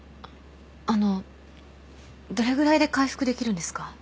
あのどれぐらいで回復できるんですか？